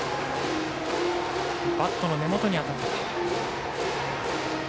バットの根元に当たりました。